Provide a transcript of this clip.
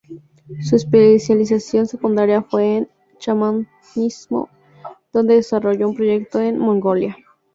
Su especialización secundaria fue en chamanismo, donde desarrolló un proyecto en Mongolia.